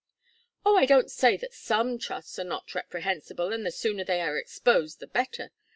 "Oh, I don't say that some trusts are not reprehensible, and the sooner they are exposed the better.